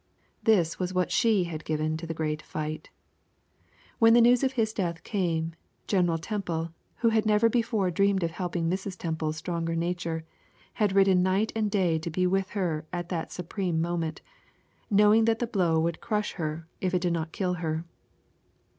That was what she had given to the great fight. When the news of his death came, General Temple, who had never before dreamed of helping Mrs. Temple's stronger nature, had ridden night and day to be with her at that supreme moment, knowing that the blow would crush her if it did not kill her.